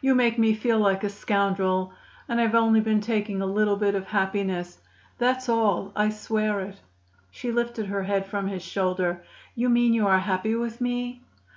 You make me feel like a scoundrel, and I've only been taking a little bit of happiness. That's all. I swear it." She lifted her head from his shoulder. "You mean you are happy with me?"